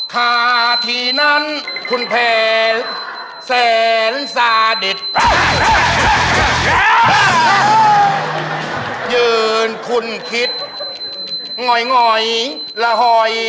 ขาที่นั้นคุณแผนแสนซาเด็จ